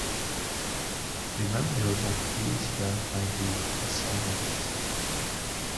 Remember what peace there may be in silence.